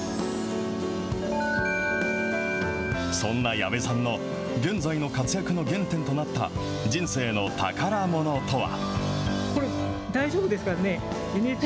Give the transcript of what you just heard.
そんな矢部さんの現在の活躍の原点となった、人生の宝ものとは。